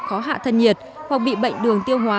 khó hạ thân nhiệt hoặc bị bệnh đường tiêu hóa